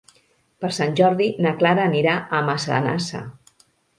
Per Sant Jordi na Clara anirà a Massanassa.